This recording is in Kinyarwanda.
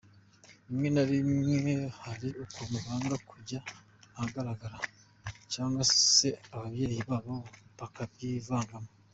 Rimwe na rimwe hari ukuntu banga kujya ahagaragara cyangwa se ababyeyi babo bakabyivangamo.